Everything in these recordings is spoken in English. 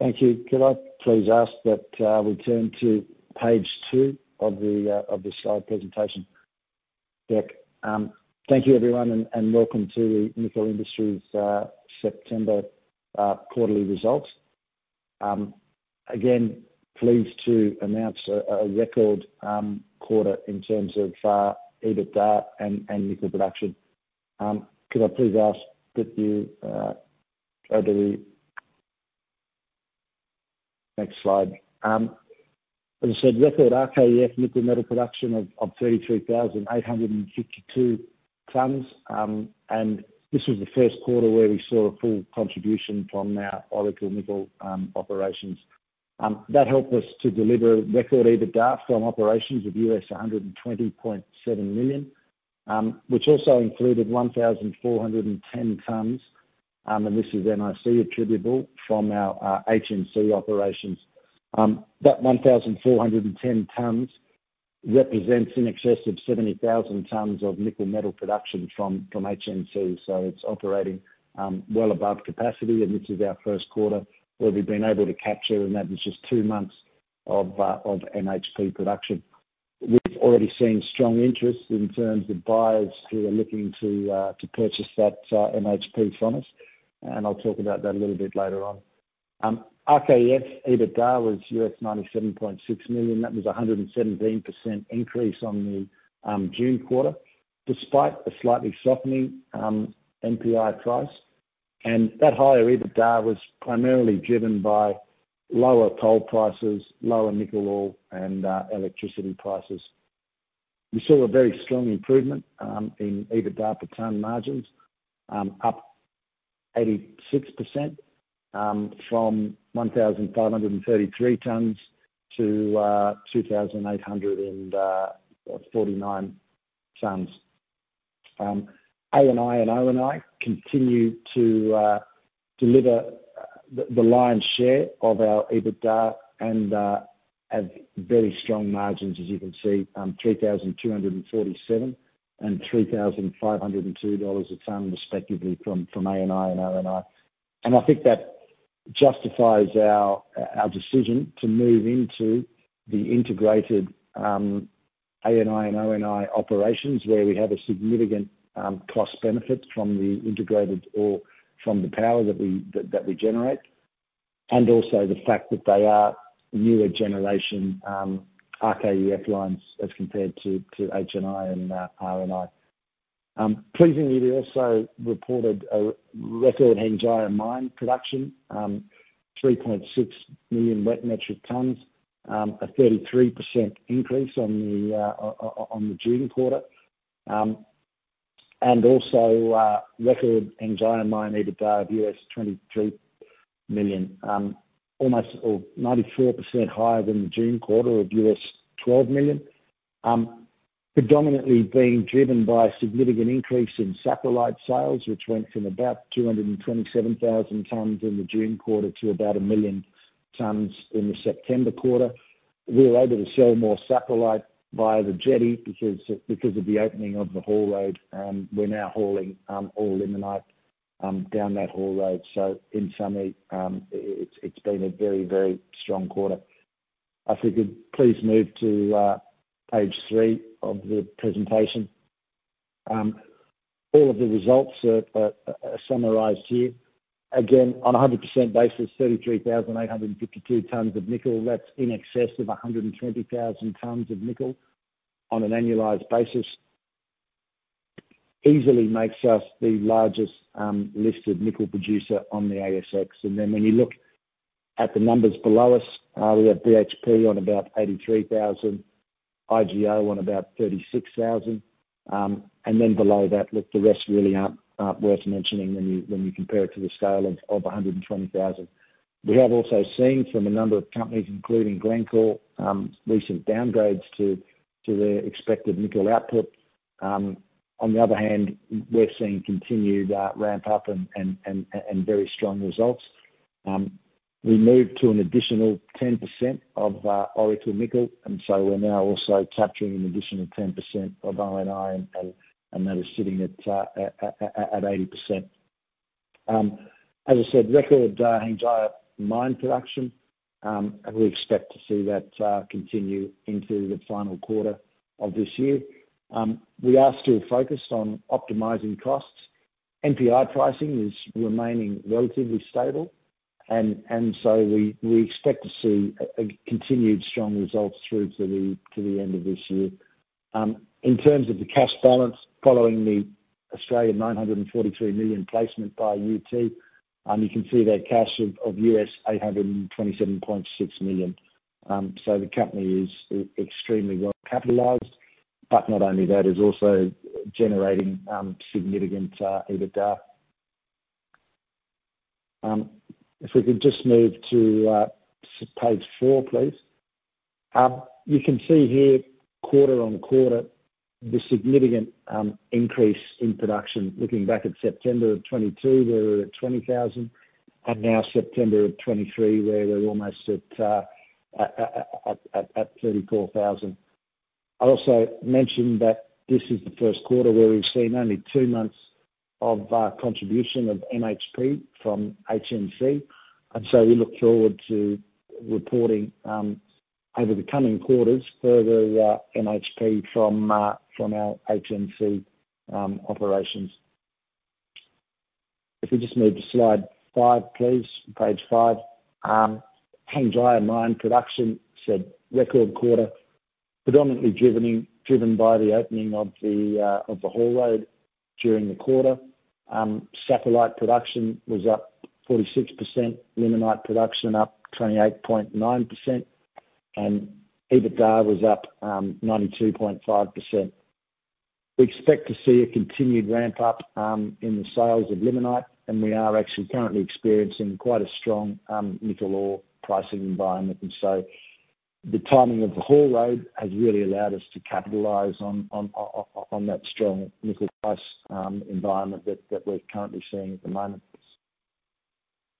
Thank you. Could I please ask that we turn to Page 2 of the slide presentation deck? Thank you everyone, and welcome to Nickel Industries' September Quarterly results. Again, pleased to announce a record quarter in terms of EBITDA and nickel production. Could I please ask that you go to the next slide? As I said, record RKEF nickel metal production of 33,852 tons. And this was the first quarter where we saw a full contribution from our Oracle Nickel operations. That helped us to deliver record EBITDA from operations of $120.7 million, which also included 1,410 tons. And this is NIC attributable from our HNC operations. That 1,410 tons represents in excess of 70,000 tons of nickel metal production from HNC. So it's operating well above capacity, and this is our first quarter, where we've been able to capture, and that was just two months of MHP production. We've already seen strong interest in terms of buyers who are looking to purchase that MHP from us, and I'll talk about that a little bit later on. RKEF EBITDA was $97.6 million. That was a 117% increase on the June quarter, despite a slightly softening NPI price. That higher EBITDA was primarily driven by lower coal prices, lower nickel ore, and electricity prices. We saw a very strong improvement in EBITDA per ton margins, up 86%, from 1,533 tons-2,849 tons. ANI and ONI continue to deliver the lion's share of our EBITDA and have very strong margins, as you can see, $3,247 and $3,502 a ton, respectively, from ANI and ONI. I think that justifies our decision to move into the integrated ANI and ONI operations, where we have a significant cost benefit from the integrated or from the power that we generate. Also the fact that they are newer generation RKEF lines as compared to HNI and RNI. Pleasingly, we also reported a record Hengjaya Mine production, 3.6 million wet metric tons, a 33% increase on the June quarter. And also, record Hengjaya Mine EBITDA of $23 million, almost or 94% higher than the June quarter of $12 million. Predominantly being driven by a significant increase in satellite sales, which went from about 227,000 tons in the June quarter to about 1 million tons in the September quarter. We were able to sell more satellite via the jetty because of the opening of the haul road. We're now hauling all limonite down that haul road. So in summary, it's been a very, very strong quarter. If we could please move to page three of the presentation. All of the results are summarized here. Again, on a 100% basis, 33,852 tons of nickel, that's in excess of 120,000 tons of nickel on an annualized basis. Easily makes us the largest listed nickel producer on the ASX. And then when you look at the numbers below us, we have BHP on about 83,000, IGO on about 36,000, and then below that, look, the rest really aren't worth mentioning when you compare it to the scale of 120,000. We have also seen from a number of companies, including Glencore, recent downgrades to their expected nickel output. On the other hand, we're seeing continued ramp up and very strong results. We moved to an additional 10% of Oracle Nickel, and so we're now also capturing an additional 10% of ONI, and that is sitting at 80%. As I said, record Hengjaya Mine production, and we expect to see that continue into the final quarter of this year. We are still focused on optimizing costs. NPI pricing is remaining relatively stable, and so we expect to see a continued strong results through to the end of this year. In terms of the cash balance, following the Australian 943 million placement by UT, you can see that cash of $827.6 million. So the company is extremely well capitalized, but not only that, is also generating significant EBITDA. If we could just move to page 4, please. You can see here, quarter-on-quarter, the significant increase in production. Looking back at September of 2022, we were at 20,000, and now September of 2023, where we're almost at 34,000. I'll also mention that this is the first quarter where we've seen only two months of contribution of MHP from HNC, and so we look forward to reporting over the coming quarters, further MHP from our HNC operations. If we just move to Slide 5, please, page 5. Hengjaya Mine production is a record quarter, predominantly driven by the opening of the haul road during the quarter. Satellite production was up 46%, limonite production up 28.9%, and EBITDA was up 92.5%. We expect to see a continued ramp up in the sales of limonite, and we are actually currently experiencing quite a strong nickel ore pricing environment. And so the timing of the haul road has really allowed us to capitalize on, on, on that strong nickel price environment that, that we're currently seeing at the moment.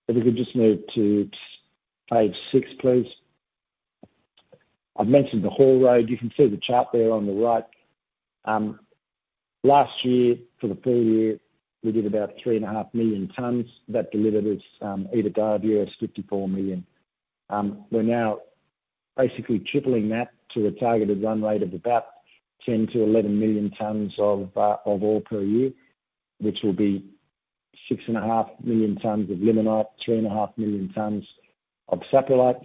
If we could just move to Page 6, please. I've mentioned the haul road. You can see the chart there on the right. Last year, for the full year, we did about 3.5 million tons. That delivered us EBITDA of $54 million. We're now basically tripling that to a targeted run rate of about 10-11 million tons of ore per year, which will be 6.5 million tons of limonite, 3.5 million tons of saprolite.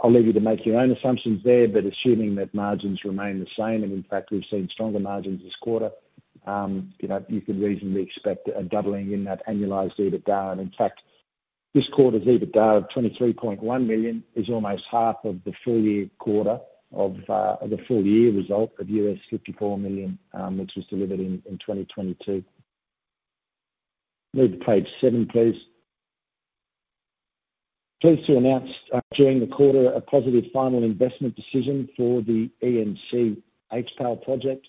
I'll leave you to make your own assumptions there, but assuming that margins remain the same, and in fact, we've seen stronger margins this quarter, you know, you could reasonably expect a doubling in that annualized EBITDA. And in fact, this quarter's EBITDA of $23.1 million is almost half of the full year quarter of the full year result of $54 million, which was delivered in 2022. Move to page seven, please. Pleased to announce, during the quarter, a positive final investment decision for the ENC HPAL project.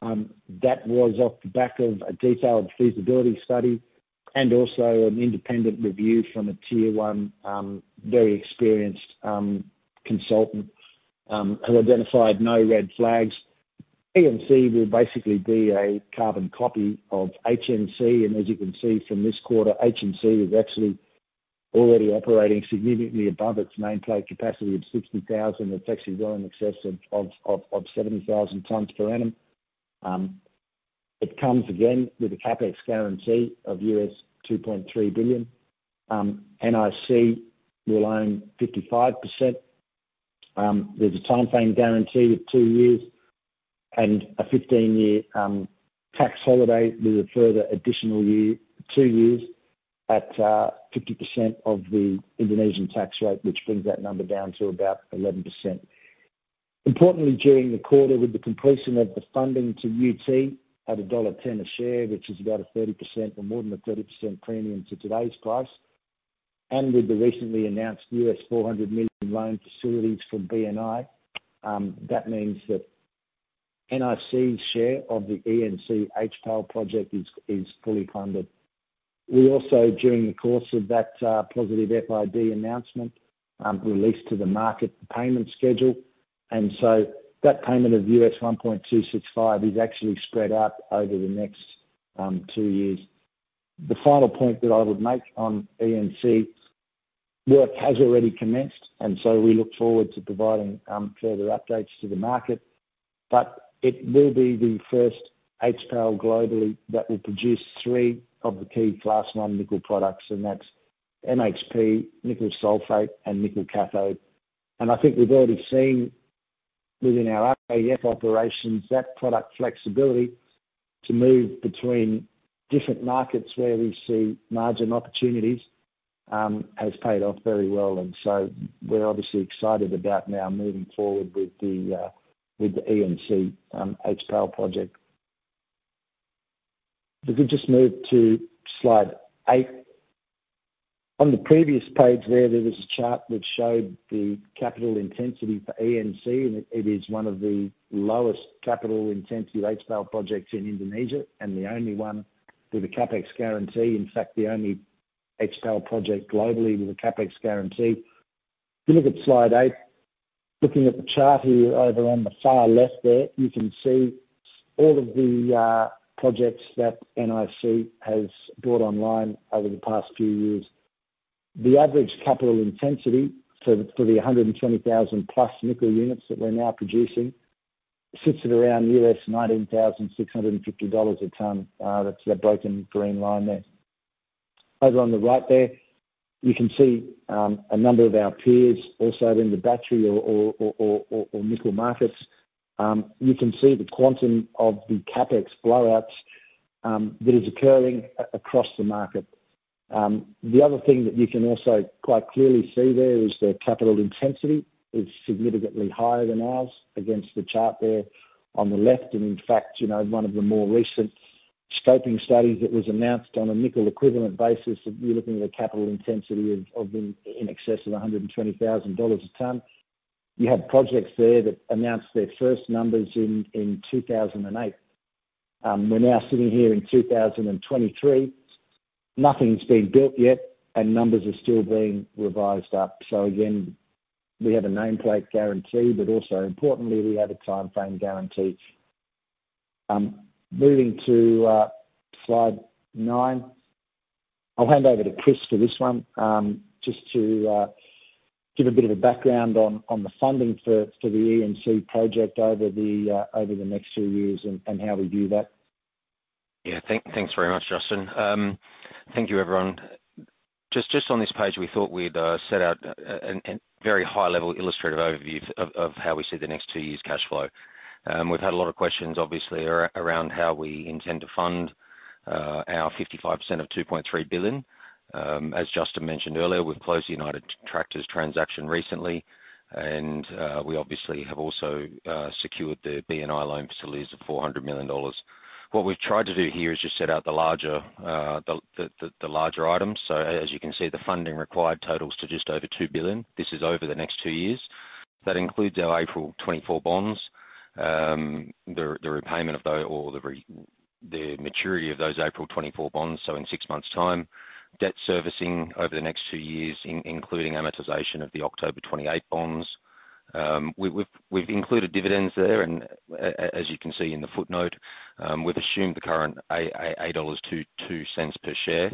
That was off the back of a detailed feasibility study and also an independent review from a tier one, very experienced, consultant, who identified no red flags. ENC will basically be a carbon copy of HNC, and as you can see from this quarter, HNC is actually already operating significantly above its nameplate capacity of 60,000. It's actually well in excess of seventy thousand tons per annum. It comes again with a CapEx guarantee of $2.3 billion. NIC will own 55%. There's a timeframe guarantee of two years and a 15-year tax holiday, with a further additional two years at 50% of the Indonesian tax rate, which brings that number down to about 11%. Importantly, during the quarter, with the completion of the funding to UT at $1.10 a share, which is about a 30% or more than a 30% premium to today's price, and with the recently announced $400 million loan facilities from BNI, that means that NIC's share of the ENC HPAL project is, is fully funded. We also, during the course of that positive FID announcement, released to the market the payment schedule, and so that payment of $1.265 is actually spread out over the next two years. The final point that I would make on ENC: work has already commenced, and so we look forward to providing further updates to the market. But it will be the first HPAL globally that will produce three of the key Class 1 nickel products, and that's MHP, nickel sulfate, and nickel cathode. And I think we've already seen within our RKEF operations, that product flexibility to move between different markets where we see margin opportunities, has paid off very well, and so we're obviously excited about now moving forward with the, with the ENC, HPAL project. If we could just move to Slide 8. On the previous page there, there was a chart that showed the capital intensity for ENC, and it is one of the lowest capital intensity HPAL projects in Indonesia, and the only one with a CapEx guarantee, in fact, the only HPAL project globally with a CapEx guarantee. If you look at slide eight, looking at the chart here, over on the far left there, you can see all of the projects that NIC has brought online over the past few years. The average capital intensity for the 120,000+ nickel units that we're now producing sits at around $19,650 a ton. That's that broken green line there. Over on the right there, you can see a number of our peers also in the battery or nickel markets. You can see the quantum of the CapEx blowouts that is occurring across the market. The other thing that you can also quite clearly see there is the capital intensity is significantly higher than ours against the chart there on the left. In fact, you know, one of the more recent scoping studies that was announced on a nickel equivalent basis, you're looking at a capital intensity of in excess of $120,000 a ton. You have projects there that announced their first numbers in 2008. We're now sitting here in 2023. Nothing's been built yet, and numbers are still being revised up. So again, we have a nameplate guarantee, but also importantly, we have a timeframe guarantee. Moving to Slide 9. I'll hand over to Chris for this one, just to give a bit of a background on the funding for the ENC project over the next two years and how we do that. Yeah, thanks very much, Justin. Thank you, everyone. Just on this page, we thought we'd set out a very high-level illustrative overview of how we see the next two years' cash flow. We've had a lot of questions, obviously, around how we intend to fund our 55% of $2.3 billion. As Justin mentioned earlier, we've closed the United Tractors transaction recently, and we obviously have also secured the BNI loan facilities of $400 million. What we've tried to do here is just set out the larger items. So as you can see, the funding required totals to just over $2 billion. This is over the next two years. That includes our April 2024 bonds, the repayment of those or the maturity of those April 2024 bonds, so in six months' time, debt servicing over the next two years, including amortization of the October 2028 bonds. We've included dividends there, and as you can see in the footnote, we've assumed the current $8.02 per share,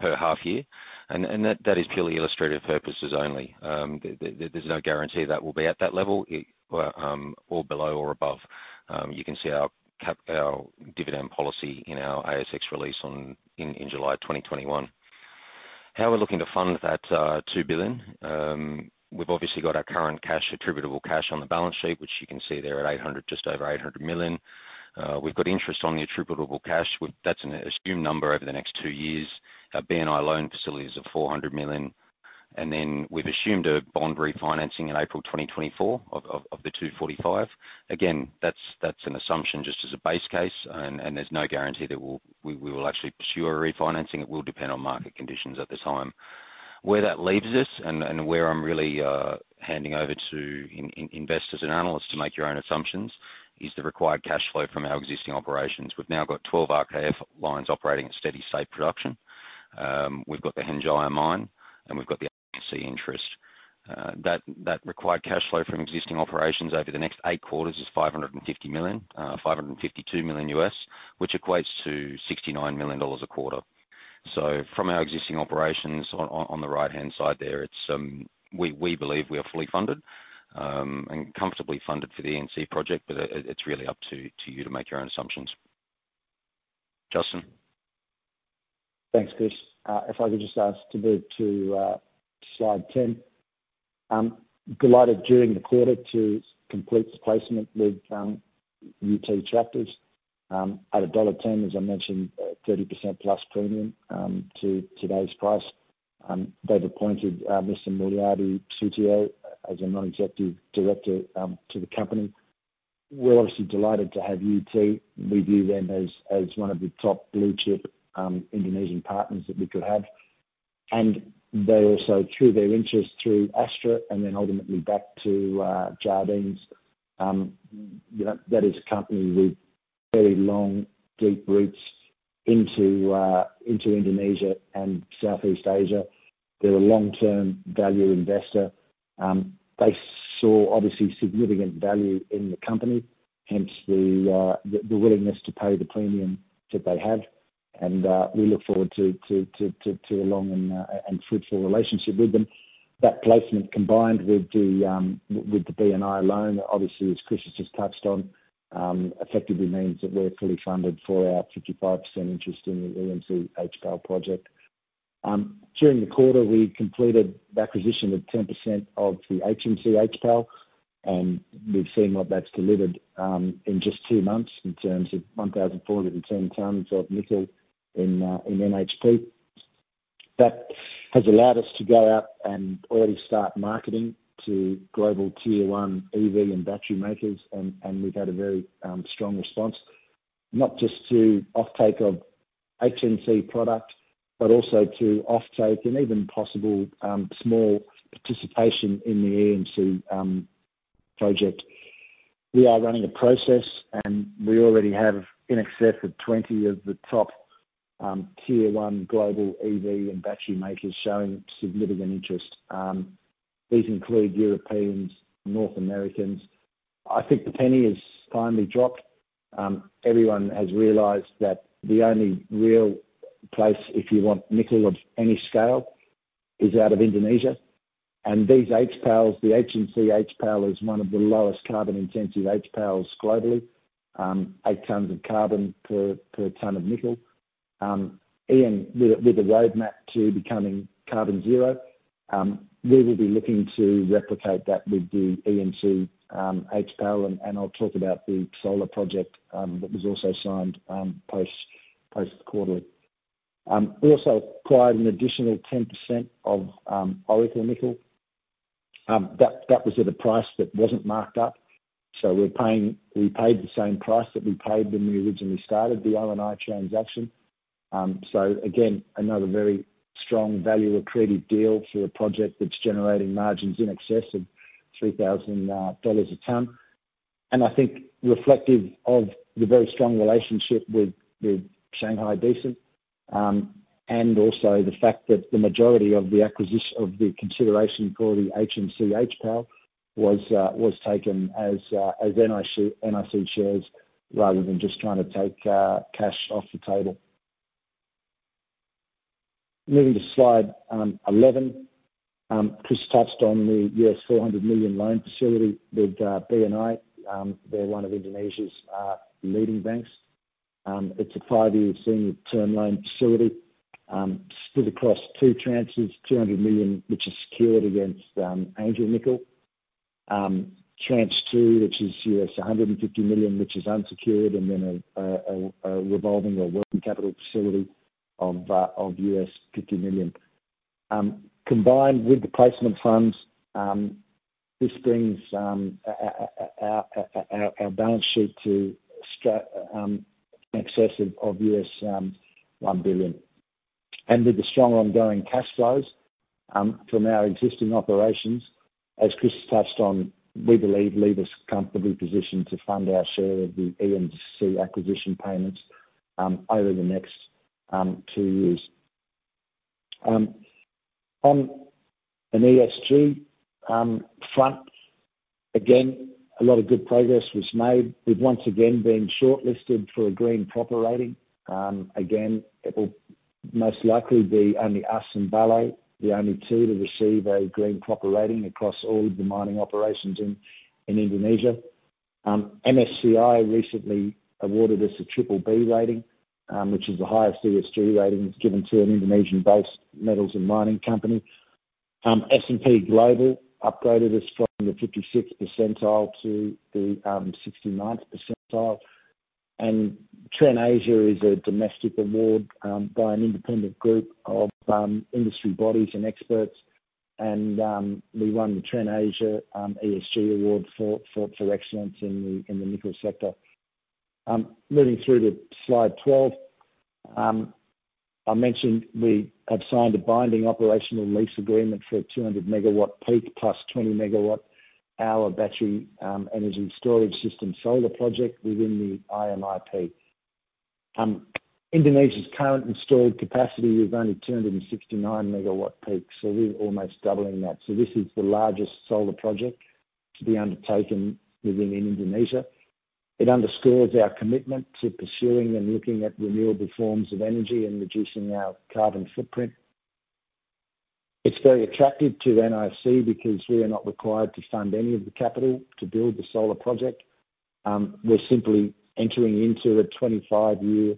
per half year. And that is purely illustrative purposes only. There's no guarantee that will be at that level, or below or above. You can see our cap, our dividend policy in our ASX release in July 2021. How we're looking to fund that $2 billion? We've obviously got our current cash, attributable cash on the balance sheet, which you can see there at $800 million, just over $800 million. We've got interest on the attributable cash, which that's an assumed number over the next two years. Our BNI loan facilities of $400 million, and then we've assumed a bond refinancing in April 2024 of the $245. Again, that's an assumption just as a base case, and there's no guarantee that we will actually pursue a refinancing. It will depend on market conditions at the time. Where that leaves us, and where I'm really handing over to investors and analysts to make your own assumptions, is the required cash flow from our existing operations. We've now got 12 RKEF lines operating at steady, safe production. We've got the Hengjaya Mine, and we've got the HNC interest. That required cash flow from existing operations over the next eight quarters is $552 million, which equates to $69 million a quarter. So from our existing operations on the right-hand side there, it's we believe we are fully funded and comfortably funded for the ENC project, but it's really up to you to make your own assumptions. Justin? Thanks, Chris. If I could just ask to move to slide 10. I'm delighted during the quarter to complete the placement with UT Tractors at dollar 1.10, as I mentioned, 30%+ premium to today's price. They've appointed Mr. Muliady Sutio as a non-executive director to the company. We're obviously delighted to have UT. We view them as one of the top blue-chip Indonesian partners that we could have. And they also, through their interest to Astra and then ultimately back to Jardine, you know, that is a company with very long, deep roots into Indonesia and Southeast Asia. They're a long-term value investor. They saw obviously significant value in the company, hence the willingness to pay the premium that they have. We look forward to a long and fruitful relationship with them. That placement, combined with the BNI loan, obviously, as Chris has just touched on, effectively means that we're fully funded for our 55% interest in the ENC HPAL project. During the quarter, we completed the acquisition of 10% of the HNC HPAL, and we've seen what that's delivered in just two months, in terms of 1,410 tons of nickel in MHP. That has allowed us to go out and already start marketing to global Tier 1 EV and battery makers, and we've had a very strong response, not just to offtake of HNC products, but also to offtake and even possible small participation in the ENC project. We are running a process, and we already have in excess of 20 of the top, tier one global EV and battery makers showing significant interest. These include Europeans, North Americans. I think the penny has finally dropped. Everyone has realized that the only real place, if you want nickel of any scale, is out of Indonesia. And these HPALs, the HNC HPAL, is one of the lowest carbon-intensive HPALs globally, 8 tons of carbon per ton of nickel, and with a roadmap to becoming carbon zero. We will be looking to replicate that with the ENC HPAL, and I'll talk about the solar project that was also signed post-quarterly. We also acquired an additional 10% of Oracle Nickel. That was at a price that wasn't marked up, so we're paying - we paid the same price that we paid when we originally started the ONI transaction. So again, another very strong value accretive deal for a project that's generating margins in excess of $3,000 a ton. And I think reflective of the very strong relationship with Shanghai Decent, and also the fact that the majority of the acquisition - of the consideration for the HNC HPAL was taken as NIC shares, rather than just trying to take cash off the table. Moving to Slide 11. Chris touched on the $400 million loan facility with BNI. They're one of Indonesia's leading banks. It's a five-year senior term loan facility, split across two tranches: $200 million, which is secured against Angel Nickel. Tranche Two, which is $150 million, which is unsecured, and then a revolving or working capital facility of $50 million. Combined with the placement funds, this brings our balance sheet to strength in excess of $1 billion. And with the strong ongoing cash flows from our existing operations, as Chris touched on, we believe leave us comfortably positioned to fund our share of the ENC acquisition payments over the next two years. On an ESG front, again, a lot of good progress was made. We've once again been shortlisted for a Green PROPER rating. Again, it will most likely be only us and Vale, the only two to receive a Green PROPER rating across all of the mining operations in Indonesia. MSCI recently awarded us a triple B rating, which is the highest ESG rating that's given to an Indonesian-based metals and mining company. S&P Global upgraded us from the 56th percentile to the 69th percentile. TrenAsia is a domestic award by an independent group of industry bodies and experts. We won the TrenAsia ESG Award for excellence in the nickel sector. Moving through to Slide 12. I mentioned we have signed a binding operational lease agreement for a 200-MWp plus 20-MWh battery energy storage system solar project within the IMIP. Indonesia's current installed capacity is only 269 MWp, so we're almost doubling that. So this is the largest solar project to be undertaken within Indonesia. It underscores our commitment to pursuing and looking at renewable forms of energy and reducing our carbon footprint. It's very attractive to NIC because we are not required to fund any of the capital to build the solar project. We're simply entering into a 25-year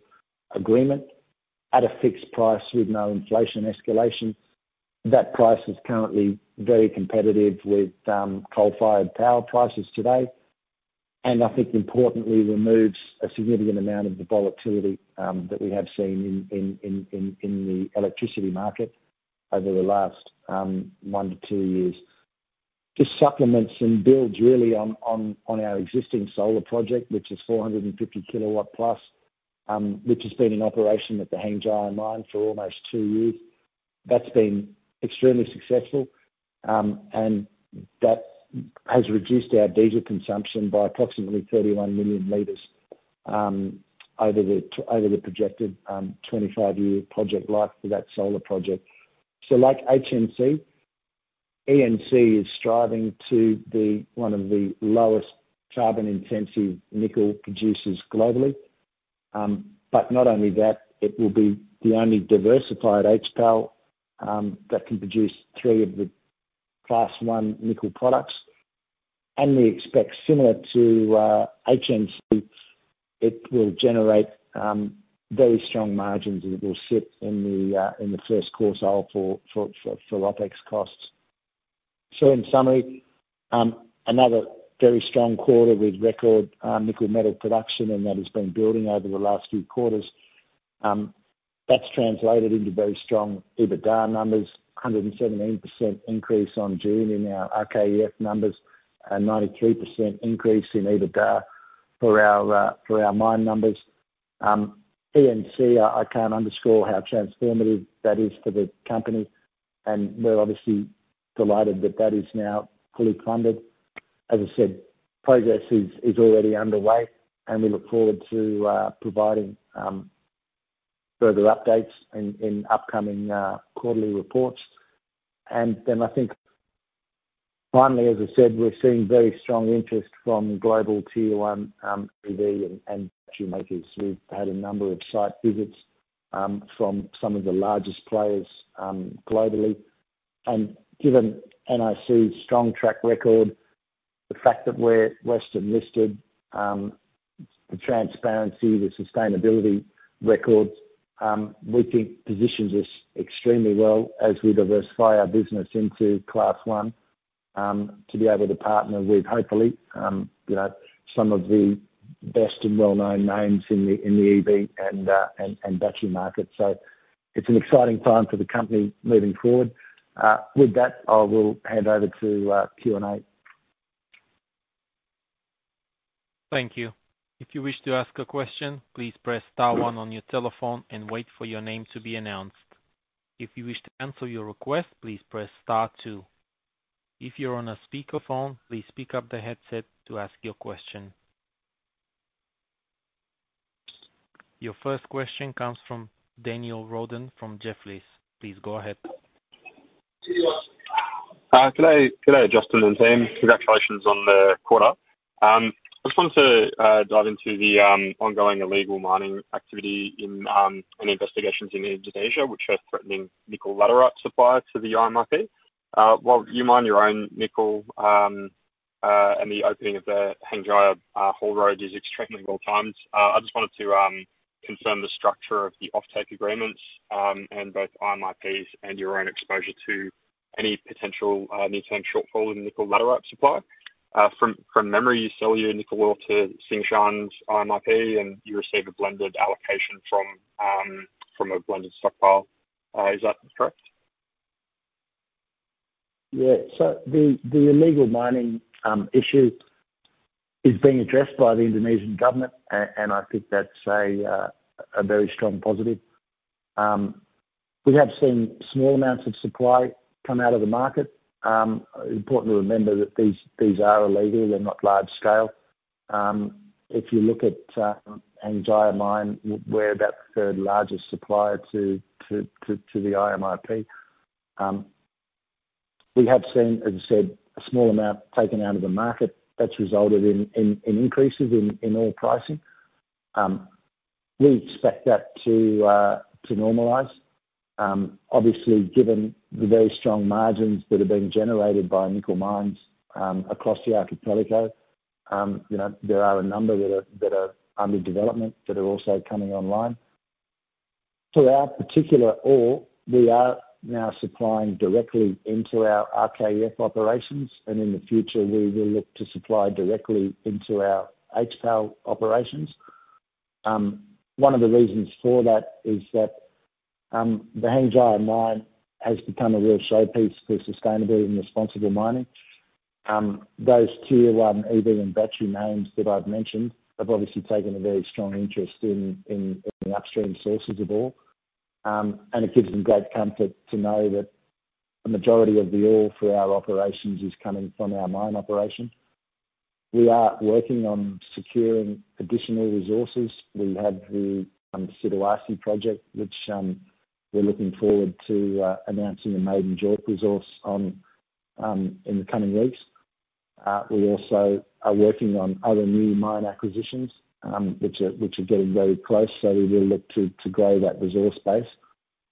agreement at a fixed price with no inflation escalation. That price is currently very competitive with coal-fired power prices today, and I think importantly, removes a significant amount of the volatility that we have seen in the electricity market over the last one to two years. just supplements and builds really on our existing solar project, which is 450 kW plus, which has been in operation at the Hengjaya mine for almost two years. That's been extremely successful, and that has reduced our diesel consumption by approximately 31 million liters over the projected 25-year project life for that solar project. So like HNC, ENC is striving to be one of the lowest carbon-intensive nickel producers globally. But not only that, it will be the only diversified HPAL that can produce three of the Class One nickel products. And we expect, similar to HNC, it will generate very strong margins, and it will sit in the first quartile for OpEx costs. So in summary, another very strong quarter with record nickel metal production, and that has been building over the last few quarters. That's translated into very strong EBITDA numbers, 117% increase on June in our RKEF numbers, and 93% increase in EBITDA for our, for our mine numbers. ENC, I can't underscore how transformative that is to the company, and we're obviously delighted that that is now fully funded. As I said, progress is already underway, and we look forward to providing further updates in upcoming quarterly reports. And then I think finally, as I said, we're seeing very strong interest from global Tier One EV and battery makers. We've had a number of site visits from some of the largest players globally. Given NIC's strong track record, the fact that we're Western listed, the transparency, the sustainability records, we think positions us extremely well as we diversify our business into Class One, to be able to partner with, hopefully, you know, some of the best and well-known names in the EV and battery market. So it's an exciting time for the company moving forward. With that, I will hand over to Q&A. ...Thank you. If you wish to ask a question, please press star one on your telephone and wait for your name to be announced. If you wish to cancel your request, please press star two. If you're on a speakerphone, please pick up the headset to ask your question. Your first question comes from Daniel Roden from Jefferies. Please go ahead. Good day, good day, Justin and team. Congratulations on the quarter. I just wanted to dive into the ongoing illegal mining activity in and investigations in Indonesia, which are threatening nickel laterite supply to the IMIP. While you mine your own nickel, and the opening of the Hengjaya haul road is extremely at all times. I just wanted to confirm the structure of the offtake agreements, and both IMIP's and your own exposure to any potential near-term shortfall in the nickel laterite supply. From memory, you sell your nickel ore to Tsingshan's IMIP, and you receive a blended allocation from a blended stockpile. Is that correct? Yeah. So the illegal mining issue is being addressed by the Indonesian government, and I think that's a very strong positive. We have seen small amounts of supply come out of the market. Important to remember that these are illegal, they're not large scale. If you look at Hengjaya Mine, we're about the third largest supplier to the IMIP. We have seen, as you said, a small amount taken out of the market that's resulted in increases in ore pricing. We expect that to normalize. Obviously, given the very strong margins that are being generated by nickel mines across the archipelago, you know, there are a number that are under development that are also coming online. To our particular ore, we are now supplying directly into our RKEF operations, and in the future, we will look to supply directly into our HPAL operations. One of the reasons for that is that, the Hengjaya Mine has become a real showpiece for sustainability and responsible mining. Those tier one EV and battery names that I've mentioned have obviously taken a very strong interest in the upstream sources of ore. And it gives them great comfort to know that a majority of the ore for our operations is coming from our mine operation. We are working on securing additional resources. We have the Siduarsi project, which we're looking forward to announcing a maiden joint resource on in the coming weeks. We also are working on other new mine acquisitions, which are getting very close, so we will look to grow that resource base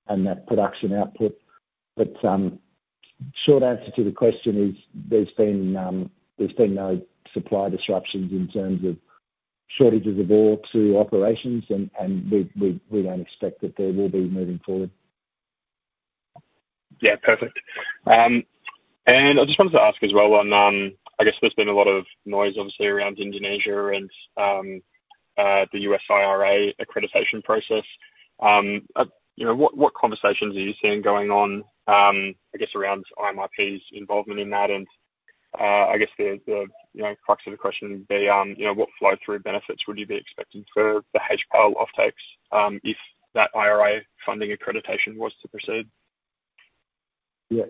and that production output. But, short answer to the question is, there's been no supply disruptions in terms of shortages of ore to operations and we don't expect that there will be moving forward. Yeah, perfect. And I just wanted to ask as well on, I guess there's been a lot of noise obviously around Indonesia and, the U.S. IRA accreditation process. You know, what, what conversations are you seeing going on, I guess, around IMIP's involvement in that? And, I guess the, the, you know, crux of the question would be, you know, what flow-through benefits would you be expecting for the HPAL offtakes, if that IRA funding accreditation was to proceed? Yeah.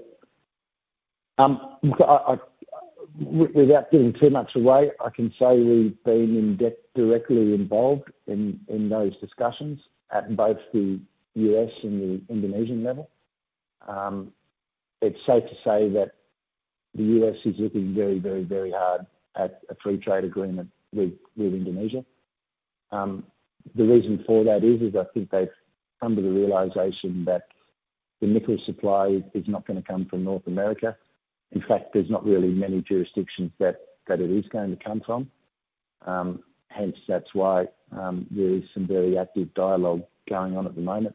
Without giving too much away, I can say we've been directly involved in those discussions at both the U.S. and the Indonesian level. It's safe to say that the U.S. is looking very, very, very hard at a free trade agreement with Indonesia. The reason for that is I think they've come to the realization that the nickel supply is not gonna come from North America. In fact, there's not really many jurisdictions that it is going to come from. Hence, that's why there is some very active dialogue going on at the moment.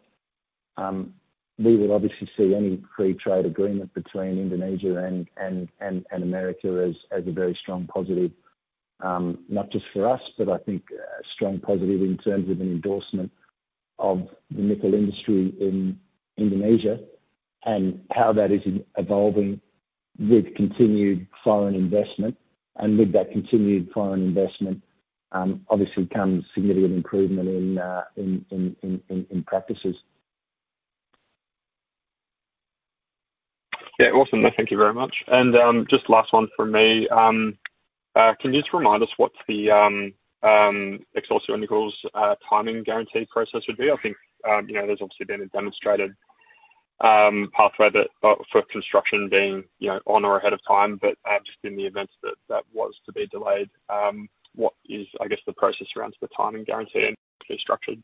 We will obviously see any free trade agreement between Indonesia and America as a very strong positive, not just for us, but I think a strong positive in terms of an endorsement of the nickel industry in Indonesia, and how that is evolving with continued foreign investment. And with that continued foreign investment, obviously comes significant improvement in practices. Yeah. Awesome. Thank you very much. Just last one from me. Can you just remind us what the Excelsior Nickel's timing guarantee process would be? I think, you know, there's obviously been a demonstrated pathway that for construction being, you know, on or ahead of time, but just in the event that that was to be delayed, what is, I guess, the process around the timing guarantee and how it's structured?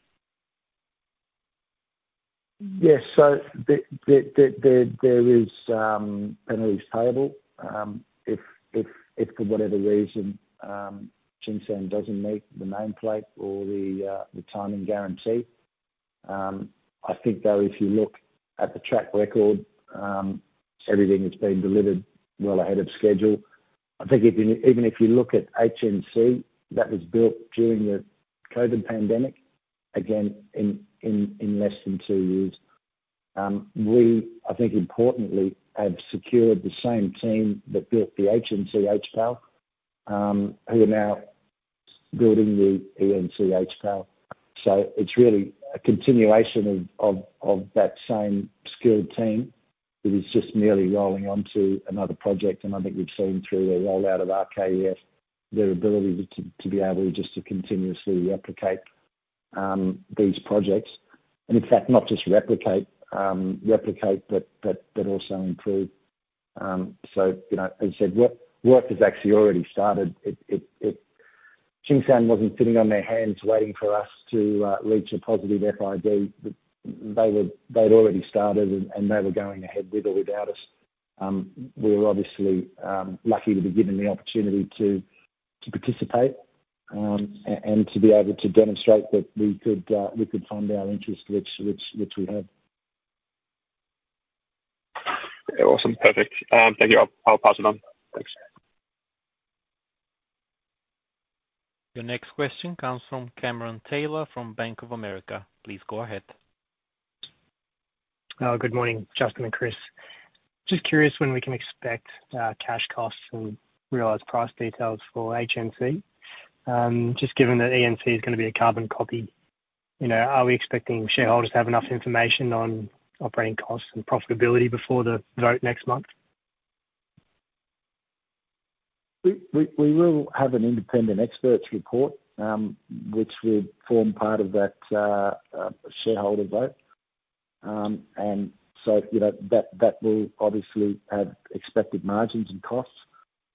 Yes. So there is penalties payable if for whatever reason Tsingshan doesn't meet the nameplate or the timing guarantee. I think, though, if you look at the track record, everything that's been delivered well ahead of schedule. I think even if you look at HNC, that was built during the COVID pandemic, again, in less than two years. We, I think importantly, have secured the same team that built the HNC HPAL, who are now building the ENC HPAL. So it's really a continuation of that same skilled team that is just merely rolling onto another project. And I think we've seen through the rollout of RKEF, their ability to be able just to continuously replicate these projects. In fact, not just replicate, but also improve. So, you know, as I said, work is actually already started. Tsingshan wasn't sitting on their hands waiting for us to reach a positive FID. They were—they'd already started, and they were going ahead with or without us. We're obviously lucky to be given the opportunity to participate and to be able to demonstrate that we could fund our interest, which we have. Awesome. Perfect. Thank you. I'll pass it on. Thanks. Your next question comes from Cameron Taylor, from Bank of America. Please go ahead. Good morning, Justin and Chris. Just curious when we can expect cash costs and realized price details for HNC? Just given that ENC is gonna be a carbon copy, you know, are we expecting shareholders to have enough information on operating costs and profitability before the vote next month? We will have an independent expert's report, which will form part of that shareholder vote. And so, you know, that will obviously have expected margins and costs,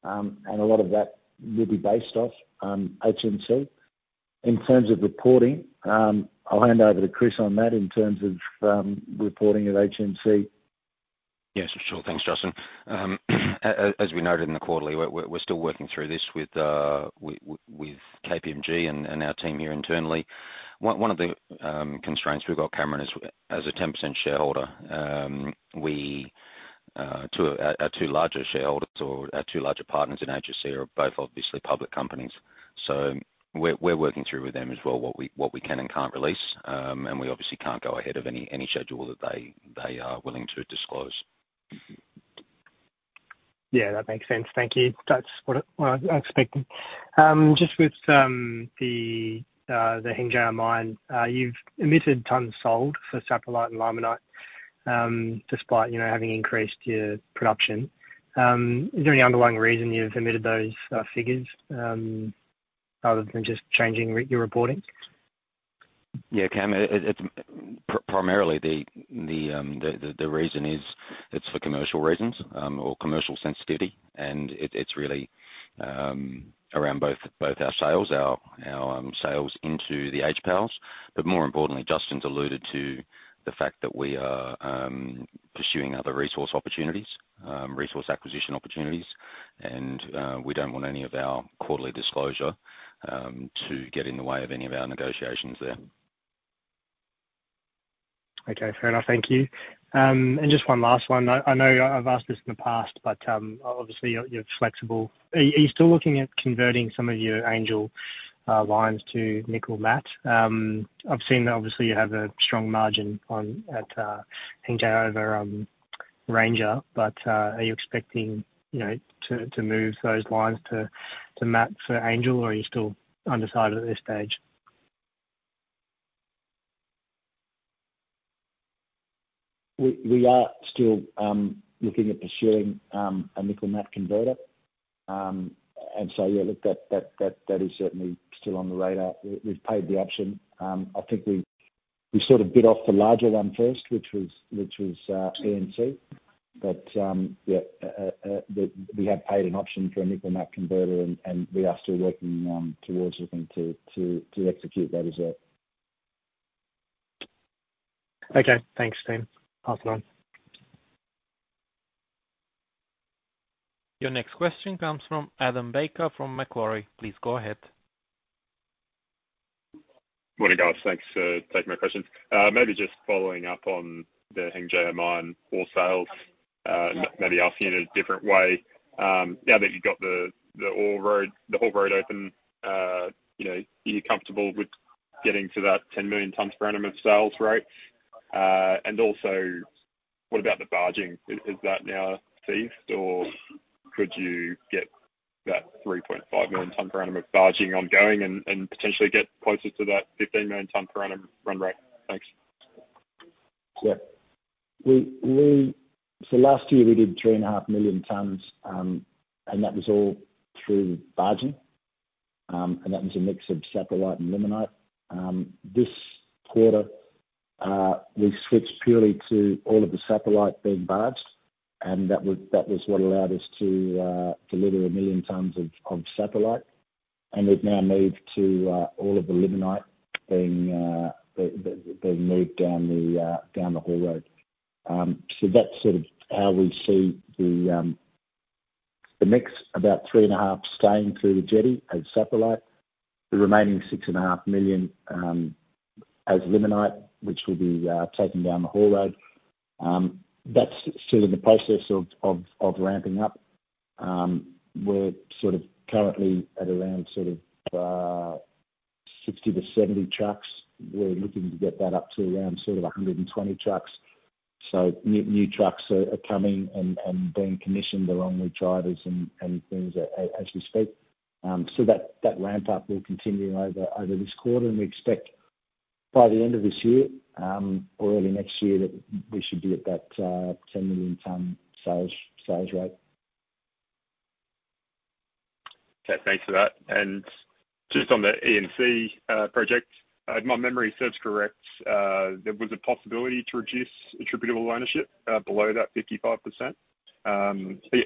and a lot of that will be based off HNC. In terms of reporting, I'll hand over to Chris on that in terms of reporting at HNC. Yes, sure. Thanks, Justin. As we noted in the quarterly, we're still working through this with KPMG and our team here internally. One of the constraints we've got, Cameron, is as a 10% shareholder, we, our two larger shareholders or our two larger partners in HNC are both obviously public companies. So we're working through with them as well, what we can and can't release. And we obviously can't go ahead of any schedule that they are willing to disclose. Yeah, that makes sense. Thank you. That's what I, what I expecting. Just with the Hengjaya mine, you've omitted tons sold for saprolite and limonite, despite, you know, having increased your production. Is there any underlying reason you've omitted those figures, other than just changing your reporting? Yeah, Cam, it's primarily the reason is, it's for commercial reasons, or commercial sensitivity. It's really around both our sales, our sales into the HPALs. But more importantly, Justin's alluded to the fact that we are pursuing other resource opportunities, resource acquisition opportunities, and we don't want any of our quarterly disclosure to get in the way of any of our negotiations there. Okay, fair enough. Thank you. And just one last one. I know I've asked this in the past, but obviously you're flexible. Are you still looking at converting some of your Angel lines to nickel matte? I've seen that obviously you have a strong margin on at Hengjaya over Ranger, but are you expecting, you know, to move those lines to matte for Angel, or are you still undecided at this stage? We, we are still looking at pursuing a nickel matte converter. And so, yeah, look, that, that, that, that is certainly still on the radar. We, we've paid the option. I think we, we sort of bit off the larger one first, which was, which was ENC. But, yeah, we have paid an option for a nickel matte converter, and, and we are still working towards looking to, to, to execute that as well. Okay, thanks, team. Thanks a lot. Your next question comes from Adam Baker, from Macquarie. Please go ahead. Morning, guys. Thanks for taking my questions. Maybe just following up on the Hengjaya Mine ore sales, maybe asking in a different way. Now that you've got the, the ore road, the ore road open, you know, are you comfortable with getting to that 10 million tons per annum of sales rate? And also, what about the barging? Is, is that now ceased, or could you get that 3.5 million ton per annum of barging ongoing and, and potentially get closer to that 15 million ton per annum run rate? Thanks. Yeah. We-- so last year we did 3.5 million tons, and that was all through barging. And that was a mix of saprolite and limonite. This quarter, we've switched purely to all of the saprolite being barged, and that was what allowed us to deliver 1 million tons of saprolite. And we've now moved to all of the limonite being moved down the ore road. So that's sort of how we see the mix about three and a half staying through the jetty as saprolite, the remaining 6.5 million as limonite, which will be taken down the ore road. That's still in the process of ramping up. We're sort of currently at around sort of... 60-70 trucks. We're looking to get that up to around sort of 120 trucks. So new trucks are coming and being commissioned along with drivers and things as we speak. So that ramp up will continue over this quarter, and we expect by the end of this year or early next year that we should be at that 10 million ton sales rate. Okay, thanks for that. Just on the ENC project, if my memory serves correct, there was a possibility to reduce attributable ownership below that 55%. Are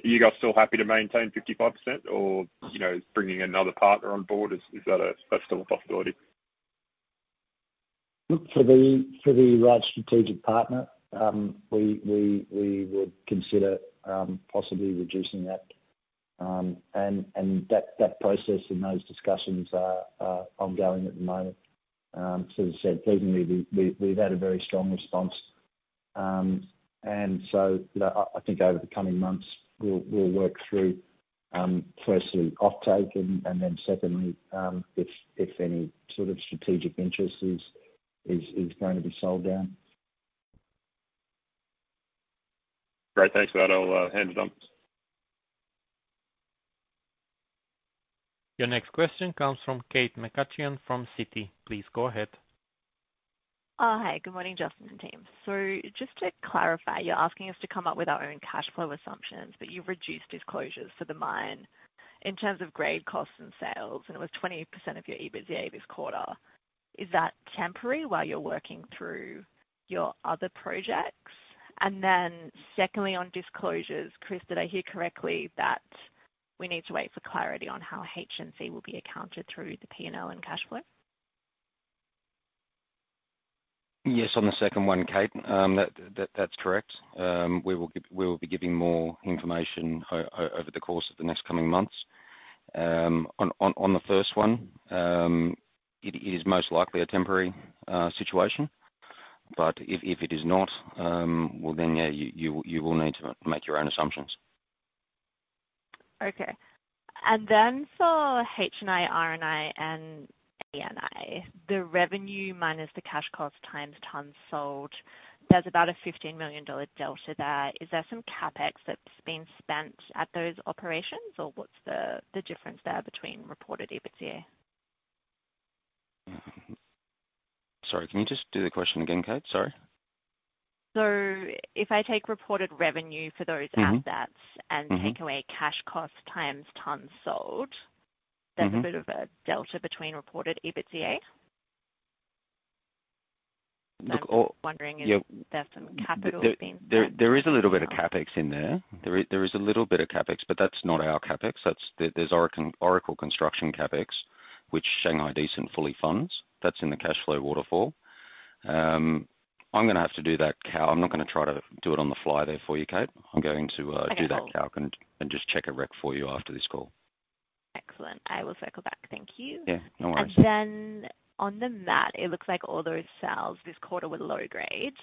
you guys still happy to maintain 55%, or, you know, bringing another partner on board, that's still a possibility? Look, for the right strategic partner, we would consider possibly reducing that. And that process and those discussions are ongoing at the moment. As I said, pleasingly, we've had a very strong response. And so I think over the coming months, we'll work through firstly, offtake, and then secondly, if any sort of strategic interest is going to be sold down. Great. Thanks for that. I'll hand it on. Your next question comes from Kate McCutcheon from Citi. Please go ahead. Oh, hi. Good morning, Justin and team. So just to clarify, you're asking us to come up with our own cash flow assumptions, but you've reduced disclosures for the mine in terms of grade, costs, and sales, and it was 20% of your EBITDA this quarter. Is that temporary while you're working through your other projects? And then secondly, on disclosures, Chris, did I hear correctly that we need to wait for clarity on how HNC will be accounted through the P&L and cash flow? Yes, on the second one, Kate, that's correct. We will be giving more information over the course of the next coming months. On the first one, it is most likely a temporary situation, but if it is not, well, then, yeah, you will need to make your own assumptions. Okay. And then for HNI, RNI, and ANI, the revenue minus the cash cost times tons sold, there's about a $15 million delta there. Is there some CapEx that's been spent at those operations, or what's the difference there between reported EBITDA? Sorry, can you just do the question again, Kate? Sorry. So if I take reported revenue for those- Mm-hmm -assets and- Mm-hmm take away cash costs times tons sold Mm-hmm... there's a bit of a delta between reported EBITDA. Look, oh- Wondering if- Yeah There's some capital being There is a little bit of CapEx in there. There is a little bit of CapEx, but that's not our CapEx. That's Oracle Construction CapEx, which Shanghai Decent fully funds. That's in the cash flow waterfall. I'm gonna have to do that cal- I'm not gonna try to do it on the fly there for you, Kate. I'm going to, Okay, cool... do that calc and just check a rec for you after this call. Excellent. I will circle back. Thank you. Yeah, no worries. Then on the matte, it looks like all those sales this quarter were low-grade.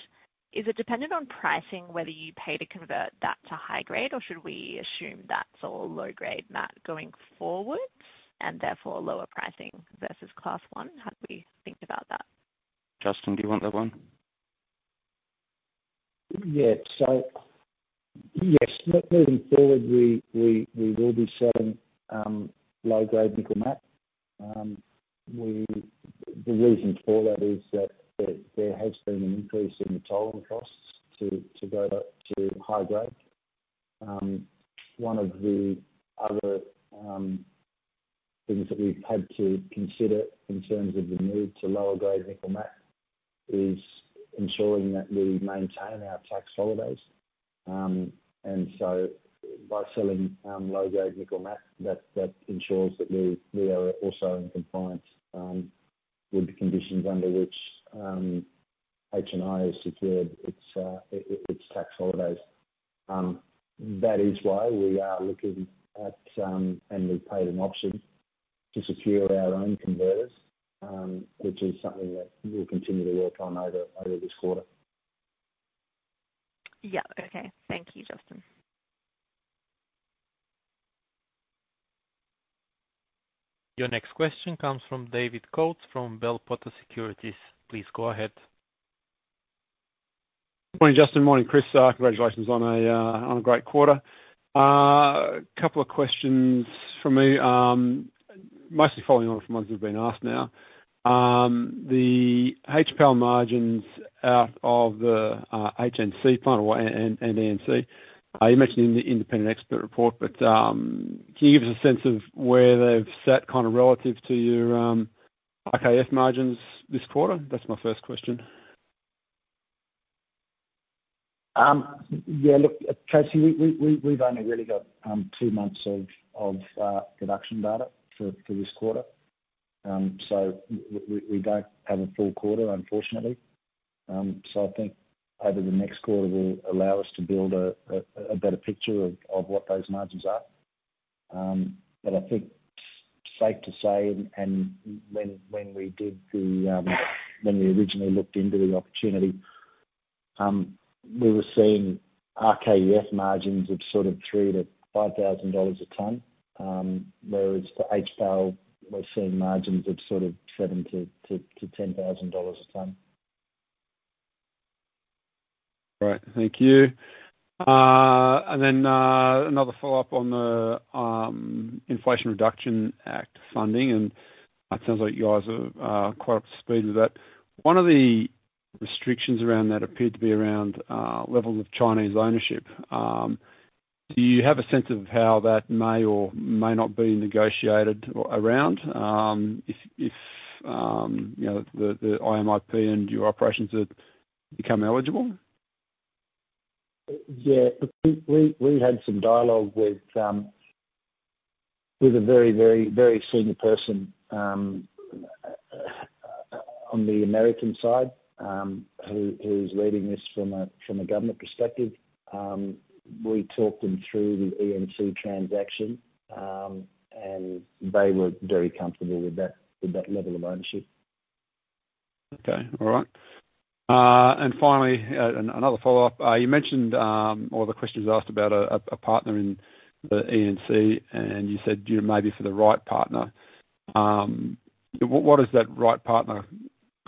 Is it dependent on pricing, whether you pay to convert that to high-grade, or should we assume that's all low-grade matte going forward and therefore lower pricing versus Class 1? How do we think about that? Justin, do you want that one? Yeah. So, yes, look, moving forward, we will be selling low-grade nickel matte. The reason for that is that there has been an increase in the tolling costs to go to high grade. One of the other things that we've had to consider in terms of the move to lower-grade nickel matte is ensuring that we maintain our tax holidays. And so by selling low-grade nickel matte, that ensures that we are also in compliance with the conditions under which HNI has secured its tax holidays. That is why we are looking at, and we paid an option to secure our own converters, which is something that we'll continue to work on over this quarter. Yeah. Okay. Thank you, Justin. Your next question comes from David Coates from Bell Potter Securities. Please go ahead. Morning, Justin. Morning, Chris. Congratulations on a great quarter. Couple of questions from me, mostly following on from ones that have been asked now. The HPAL margins out of the HNC plant and ENC, are you mentioning the independent expert report, but can you give us a sense of where they've sat kind of relative to your RKEF margins this quarter? That's my first question. Yeah, look, Tracy, we, we've only really got two months of production data for this quarter. So we don't have a full quarter, unfortunately. So I think over the next quarter will allow us to build a better picture of what those margins are. But I think it's safe to say, and when we originally looked into the opportunity, we were seeing RKEF margins of sort of $3,000-$5,000 a ton, whereas for HPAL, we're seeing margins of sort of $7,000-$10,000 a ton. Right. Thank you. And then another follow-up on the Inflation Reduction Act funding, and it sounds like you guys are quite up to speed with that. One of the restrictions around that appeared to be around levels of Chinese ownership. Do you have a sense of how that may or may not be negotiated around, if you know, the IMIP and your operations have become eligible? Yeah, look, we had some dialogue with a very, very, very senior person on the American side who’s leading this from a government perspective. We talked them through the ENC transaction, and they were very comfortable with that, with that level of ownership. Okay. All right. And finally, and another follow-up. You mentioned, or the question was asked about a partner in the ENC, and you said, you know, maybe for the right partner. What does that right partner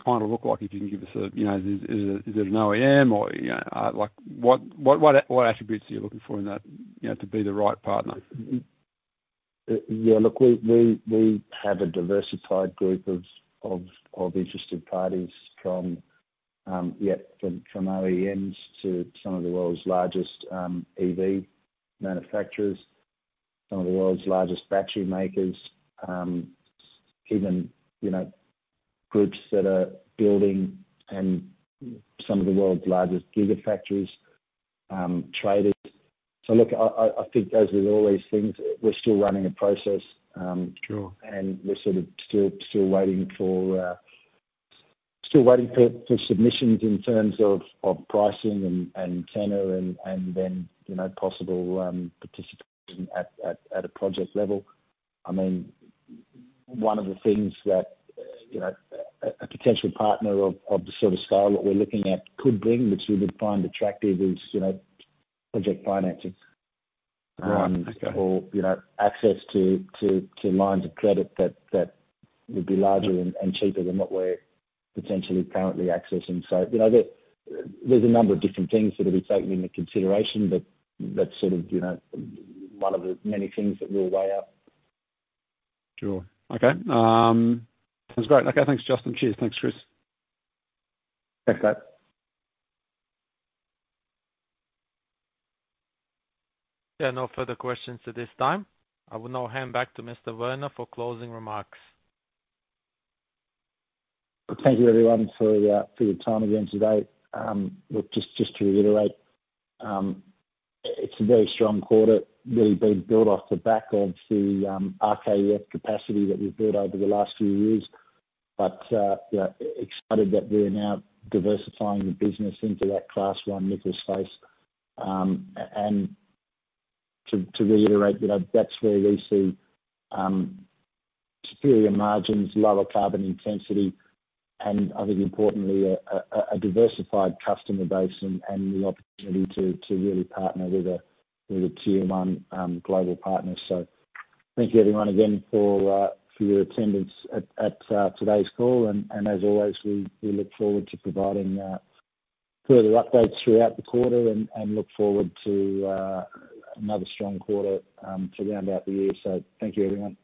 kind of look like? If you can give us a, you know, is it an OEM or, you know, like, what attributes are you looking for in that, you know, to be the right partner? Yeah, look, we have a diversified group of interested parties from OEMs to some of the world's largest EV manufacturers, some of the world's largest battery makers, even, you know, groups that are building and some of the world's largest giga factories, traders. So look, I think as with all these things, we're still running a process. Sure. - and we're still waiting for submissions in terms of pricing and tenure and then, you know, possible participation at a project level. I mean, one of the things that, you know, a potential partner of the sort of style that we're looking at could bring, which we would find attractive, is, you know, project financing- Right. Okay. or, you know, access to lines of credit that would be larger and cheaper than what we're potentially currently accessing. So, you know, there's a number of different things that'll be taken into consideration, but that's sort of, you know, one of the many things that we'll weigh up. Sure. Okay. That's great. Okay, thanks, Justin. Cheers. Thanks, Chris. Thanks, mate. Yeah, no further questions at this time. I will now hand back to Mr. Werner for closing remarks. Thank you, everyone, for your time again today. Look, just to reiterate, it's a very strong quarter, really being built off the back of the RKEF capacity that we've built over the last few years. But yeah, excited that we are now diversifying the business into that Class 1 nickel space. And to reiterate, you know, that's where we see superior margins, lower carbon intensity, and I think importantly, a diversified customer base and the opportunity to really partner with a tier one global partner. So thank you everyone again for your attendance at today's call. And as always, we look forward to providing further updates throughout the quarter and look forward to another strong quarter to round out the year. Thank you, everyone.